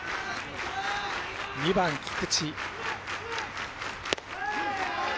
２番、菊地。